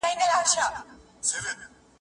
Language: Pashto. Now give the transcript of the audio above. مینه لوستل کیږي هم